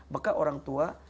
maka orang tua